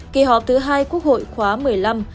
kỳ họp thứ hai quốc hội khóa hợp